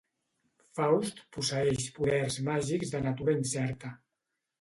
Faust posseeix poders màgics de natura incerta.